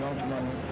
darum kamu bunny buat